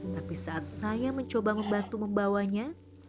tapi saat saya mencoba membantu membawanya